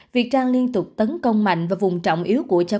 việc trang liên tục tấn công mạnh và vùng trọng yếu của cháu